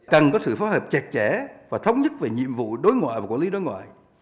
cần có sự phối hợp chặt chẽ và thống nhất về nhiệm vụ đối ngoại và quản lý đối ngoại